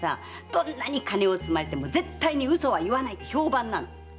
どんなに金を積まれても絶対に嘘は言わないって評判なんだよ。